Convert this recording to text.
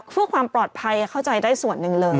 เพื่อความปลอดภัยเข้าใจได้ส่วนหนึ่งเลย